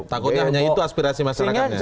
takutnya hanya itu aspirasi masyarakatnya